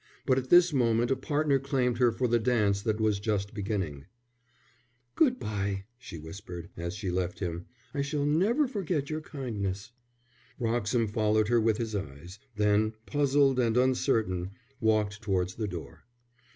But at this moment a partner claimed her for the dance that was just beginning. "Good bye," she whispered, as she left him. "I shall never forget your kindness." Wroxham followed her with his eyes, then, puzzled and uncertain, walked towards the door.